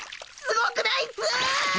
ごくないっす！